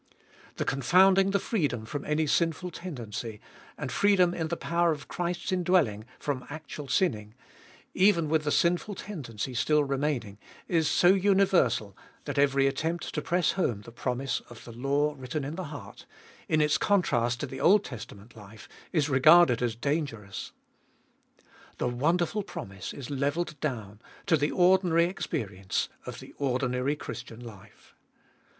The confounding the freedom from any sinful tendency, and freedom in the power of Christ's indwelling from actual sinning, even with the sinful tendency still remaining, is so universal, that every attempt to press home the promise of the law written in the heart, in its contrast to the Old Testament life, is regarded as dangerous. The wonderful promise is levelled down to the ordinary experience of the ordinary Christian life.